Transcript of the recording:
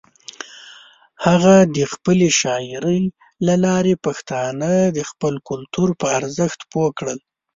هغه د خپلې شاعرۍ له لارې پښتانه د خپل کلتور پر ارزښت پوه کړل.